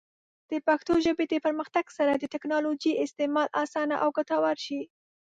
د پښتو ژبې د پرمختګ سره، د ټیکنالوجۍ استعمال اسانه او ګټور شي.